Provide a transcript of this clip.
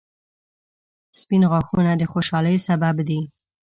• سپین غاښونه د خوشحالۍ سبب دي